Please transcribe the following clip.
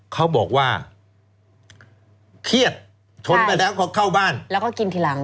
เขาบอกว่าเครียดชนไปแล้วก็เข้าบ้านแล้วก็กินทีหลัง